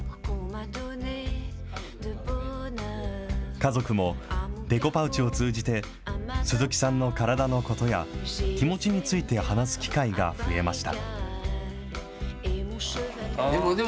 家族もデコパウチを通じて、鈴木さんの体のことや、気持ちについて話す機会が増えました。